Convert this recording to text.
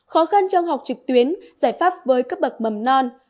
khó khăn trong học trực tuyến giải pháp với các bậc mầm non